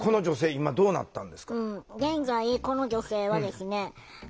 今どうなったんですか？